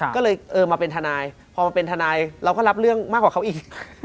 ก็เลยเออมาเป็นทนายพอมาเป็นทนายเราก็รับเรื่องมากกว่าเขาอีก